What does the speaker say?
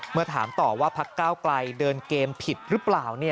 เมื่อถามต่อว่าพักก้าวไกลเดินเกมผิดหรือเปล่า